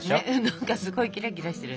何かすごいキラキラしてるね。